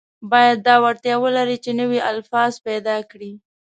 باید دا وړتیا ولري چې نوي الفاظ پیدا کړي.